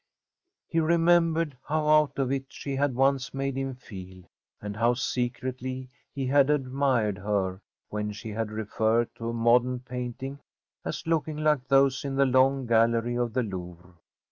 He remembered how out of it she had once made him feel, and how secretly he had admired her when she had referred to a modern painting as looking like those in the long gallery of the Louvre.